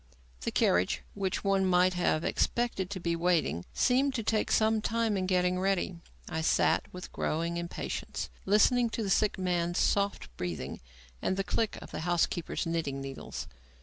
The carriage, which one might have expected to be waiting, seemed to take some time in getting ready. I sat, with growing impatience, listening to the sick man's soft breathing and the click of the housekeeper's knitting needles.